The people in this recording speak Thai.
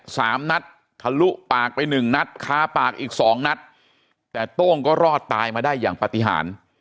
สามนัดทะลุปากไปหนึ่งนัดคาปากอีกสองนัดแต่โต้งก็รอดตายมาได้อย่างปฏิหาร